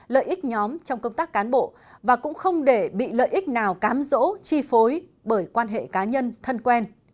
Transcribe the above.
lợi ích nhóm trong công tác cán bộ và cũng không để bị lợi ích nào cám dỗ chi phối bởi quan hệ cá nhân thân quen